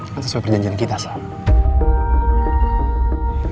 kan sesuai perjanjian kita selama